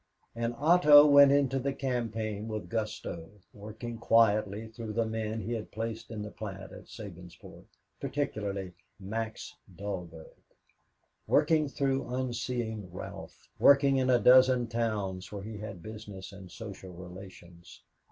And Otto went into the campaign with gusto, working quietly through the men he had placed in the plant at Sabinsport, particularly Max Dalberg; working through unseeing Ralph, working in a dozen towns where he had business and social relations.